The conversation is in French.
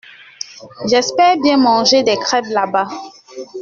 J’espère bien manger des crêpes là-bas.